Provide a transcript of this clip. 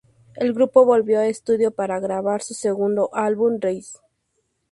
El grupo volvió a estudio para grabar su segundo álbum: "Rise".